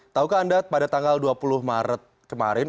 taukah anda pada tanggal dua puluh maret kemarin